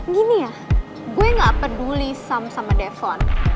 gini ya gue gak peduli sama defon